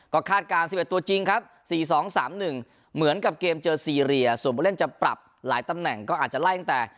ก็คาดการณ์๑๑ตัวจริงครับ๔๒๓๑เหมือนกับเกมเจอซีเรียส่วนผู้เล่นจะปรับหลายตำแหน่งก็อาจจะไล่ตั้งแต่